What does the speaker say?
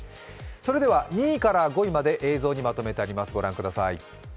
それでは２位から５位まで映像にまとめてあります。